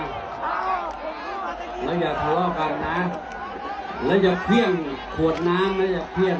นี่หลังจากรองค์จากเหล่าแรงแล้วจากเหล่ารองค์สเข้ากัน